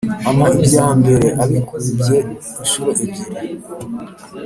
Ampa ibya mbere abikubye incuro ebyiri